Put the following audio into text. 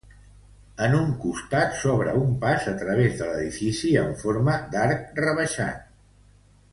En un costat s'obre un pas a través de l'edifici en forma d'arc rebaixat.